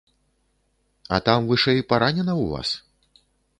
А там вышэй паранена ў вас?